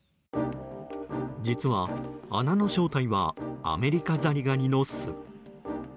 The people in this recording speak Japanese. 実は、穴の正体はアメリカザリガニの巣。